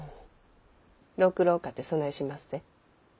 六郎かてそないしまっせ。